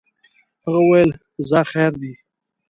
هغه ویل ځه خیر دی.